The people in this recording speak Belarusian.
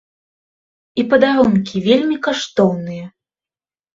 І падарункі вельмі каштоўныя.